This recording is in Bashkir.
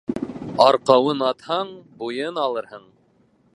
Арҡауын атһаң, буйын алырһың.